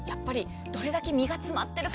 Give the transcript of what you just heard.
どれだけ身が詰まってるか。